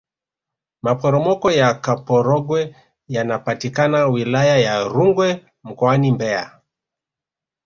maporomoko ya kaporogwe yanapatikana wilaya ya rungwe mkoani mbeya